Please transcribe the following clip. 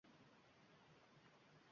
Intizor bo’laman